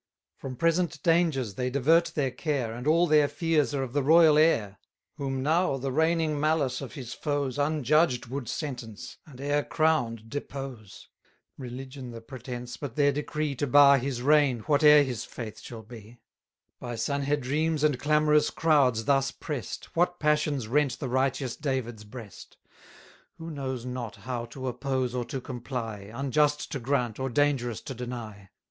From present dangers they divert their care, And all their fears are of the royal heir; Whom now the reigning malice of his foes 580 Unjudged would sentence, and e'er crown'd depose. Religion the pretence, but their decree To bar his reign, whate'er his faith shall be! By Sanhedrims and clamorous crowds thus press'd, What passions rent the righteous David's breast! Who knows not how to oppose or to comply Unjust to grant, or dangerous to deny!